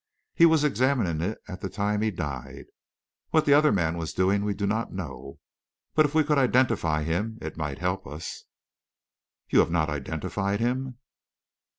He was examining it at the time he died. What the other man was doing, we do not know, but if we could identify him, it might help us." "You have not identified him?"